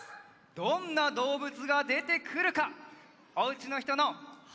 どんなどうぶつがでてくるかおうちのひとのはなをおしてみよう。